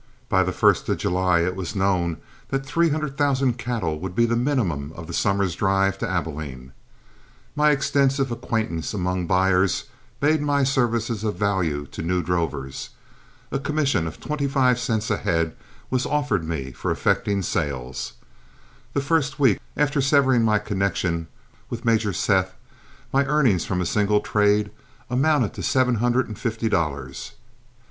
By the first of July it was known that three hundred thousand cattle would be the minimum of the summer's drive to Abilene. My extensive acquaintance among buyers made my services of value to new drovers. A commission of twenty five cents a head was offered me for effecting sales. The first week after severing my connection with Major Seth my earnings from a single trade amounted to seven hundred and fifty dollars.